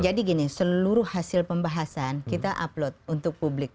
jadi gini seluruh hasil pembahasan kita upload untuk publik